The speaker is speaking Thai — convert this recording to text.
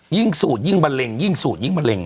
ยิ่งสูตรยิ่งมะเร็ง